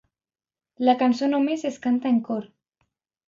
La cançó només es canta en cor.